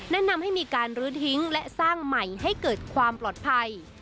แนะนำให้มีการลื้อทิ้งและสร้างใหม่ให้เกิดความปลอดภัย